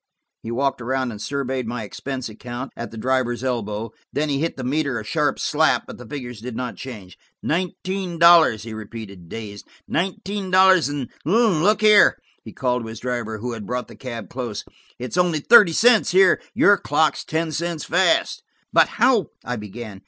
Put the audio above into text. He walked around and surveyed my expense account, at the driver's elbow. Then he hit the meter a smart slap, but the figures did not change. "Nineteen dollars!" he repeated dazed. "Nineteen dollars and–look here," he called to his driver, who had brought the cab close, "it's only thirty cents here. Your clock's ten cents fast." "But how–" I began.